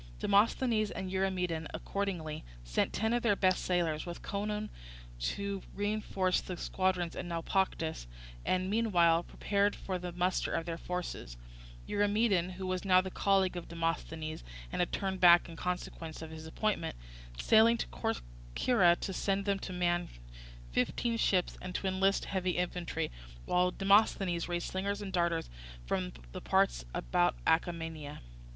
Demosthenes and Eurymedon, accordingly, sent ten of their best sailers with Conon to reinforce the squadron at Naupactus, and meanwhile prepared for the muster of their forces; Eurymedon, who was now the colleague of Demosthenes, and had turned back in consequence of his appointment, sailing to Corcyra to tell them to man fifteen ships and to enlist heavy infantry; while Demosthenes raised slingers and darters from the parts about Acarnania.